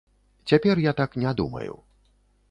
Цяпер я так не думаю.